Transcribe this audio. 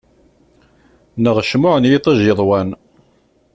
Neɣ cmuɛ n yiṭij yeḍwan.